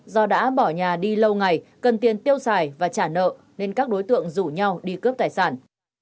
do đã bỏ nhà đi lâu ngày cần tiền tiêu xài và trả nợ nên các đối tượng rủ nhau đi cướp tài sản